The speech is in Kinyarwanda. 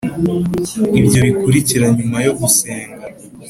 ibyo bikurikira nyuma yo gusenga.